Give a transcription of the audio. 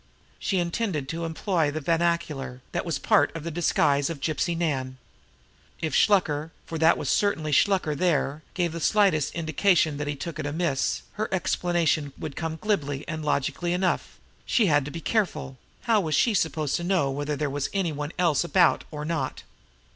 She intended to employ the vernacular that was part of the disguise of Gypsy Nan. If Shluker, for that was certainly Shluker there, gave the slightest indication that he took it amiss, her explanation would come glibly and logically enough she had to be careful; how was she supposed to know whether there was any one else about, or not!